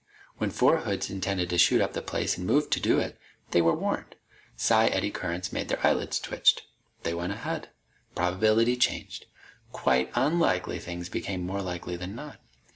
When four hoods intended to shoot up the place and moved to do it, they were warned. Psi 'eddy currents' made their eyelids twitch. They went ahead. Probability changed. Quite unlikely things became more likely than not.